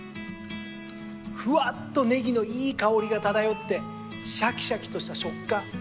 ふわっとネギのいい香りが漂ってシャキシャキとした食感。